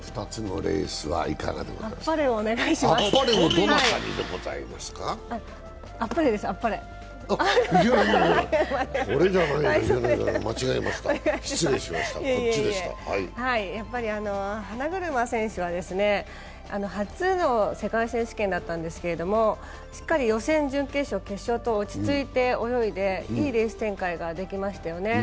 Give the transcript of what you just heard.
失礼しました、こっちでした花車選手は初の世界選手権だったんですけれども、しっかり予選、準決勝、決勝と落ち着いて泳いでいいレース展開ができましたよね。